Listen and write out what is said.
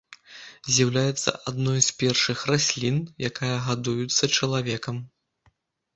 З'яўляецца адной з першых раслін, якая гадуюцца чалавекам.